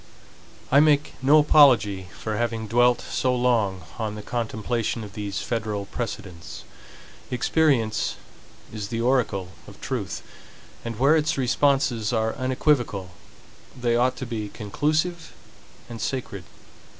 I make no apology for having dwelt so long on the contemplation of these federal precedents. Experience is the oracle of truth; and where its responses are unequivocal, they ought to be conclusive and sacred.